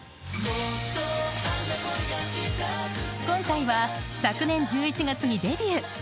［今回は昨年１１月にデビュー］